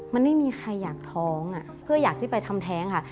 มันไม่มีใครอยากท้องเพื่ออยากที่ไปทำแท้งค่ะ